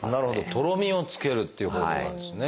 とろみをつけるっていう方法があるんですね。